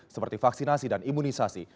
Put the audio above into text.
seperti vaksinasi dan imunisasi